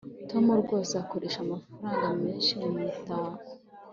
tom rwose akoresha amafaranga menshi mumitako